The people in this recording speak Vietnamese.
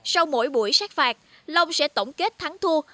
sau mỗi buổi sát phạt long sẽ tổng kết thắng thua